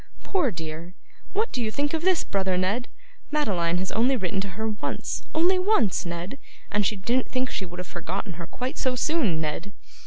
'Poor dear! what do you think of this, brother Ned? Madeline has only written to her once, only once, Ned, and she didn't think she would have forgotten her quite so soon, Ned.